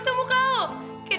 aduh meriah banget